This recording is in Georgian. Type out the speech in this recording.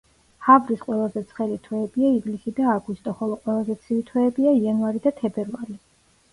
ჰავრის ყველაზე ცხელი თვეებია ივლისი და აგვისტო, ხოლო ყველაზე ცივი თვეებია იანვარი და თებერვალი.